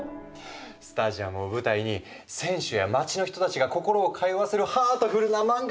スタジアムを舞台に選手や街の人たちが心を通わせるハートフルな漫画！